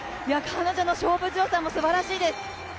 彼女の勝負強さもすばらしいです。